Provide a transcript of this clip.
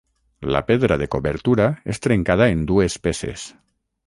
La pedra de cobertura és trencada en dues peces.